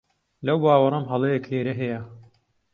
لەو باوەڕەم هەڵەیەک لێرە هەیە.